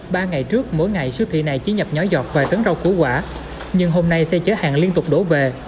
ba ngày trước mỗi ngày siêu thị này chỉ nhập nhỏ giọt vài tấn rau củ quả nhưng hôm nay xe chở hàng liên tục đổ về